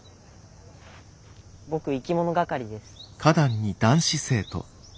僕生き物係です。